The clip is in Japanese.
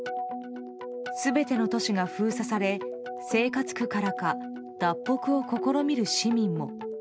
全ての都市が封鎖され生活苦からか脱北を試みる市民も。